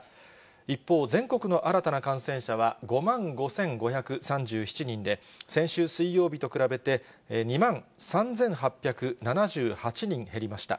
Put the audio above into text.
一方、全国の新たな感染者は、５万５５３７人で、先週水曜日と比べて２万３８７８人減りました。